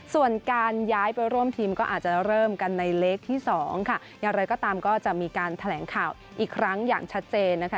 ส่วนการย้ายไปร่วมทีมก็อาจจะเริ่มกันในเล็กที่สองค่ะอย่างไรก็ตามก็จะมีการแถลงข่าวอีกครั้งอย่างชัดเจนนะคะ